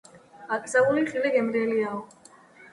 აკრძალული ხილი გემრიელიაო